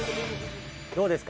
「どうですか？